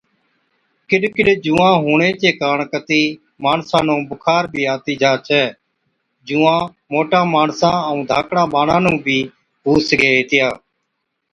ڪِڏ ڪِڏ جُوئان هُوَڻي چي ڪاڻ ڪتِي ماڻسان نُون بُخار بِي آتِي جا ڇَي، جُوئان موٽان ماڻسان ائُون ڌاڪڙان ٻاڙان نُون بِي هُو سِگھي هِتِيا۔